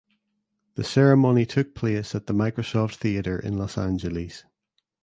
The ceremony took place at the Microsoft Theater in Los Angeles.